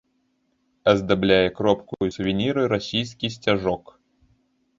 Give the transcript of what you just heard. Аздабляе кропку і сувенірны расійскі сцяжок.